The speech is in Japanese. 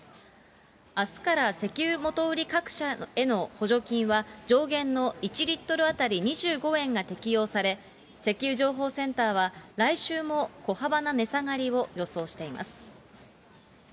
あすから石油元売り各社への補助金は、上限の１リットル当たり２５円が適用され、石油情報センターは、来週も小幅な値下がりを予想しています。